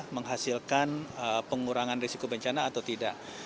menghasilkan pengurangan risiko bencana atau tidak